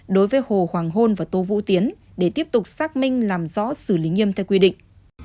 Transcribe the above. đối với hồ hoàng hôn và tô vũ tiến để tiếp tục xác minh làm rõ xử lý nghiêm theo quy định